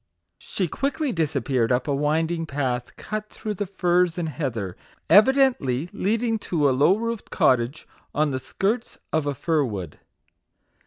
She quickly disappeared up a winding path cut through the furze and heather, evidently leading to a low roofed cottage on the skirts of a fir wood.